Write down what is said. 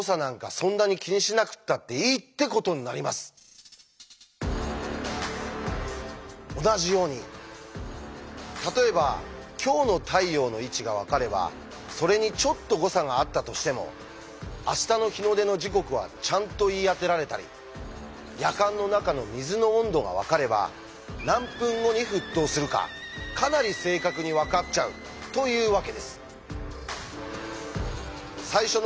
だから同じように例えば今日の太陽の位置が分かればそれにちょっと誤差があったとしても明日の日の出の時刻はちゃんと言い当てられたりやかんの中の水の温度が分かれば何分後に沸騰するかかなり正確に分かっちゃうというわけです。